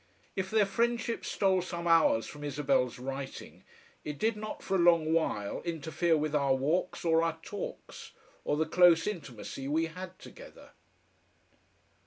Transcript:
If their friendship stole some hours from Isabel's writing, it did not for a long while interfere with our walks or our talks, or the close intimacy we had together.